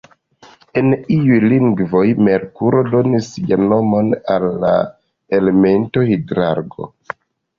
En iuj lingvoj, Merkuro donis sian nomon al la elemento hidrargo.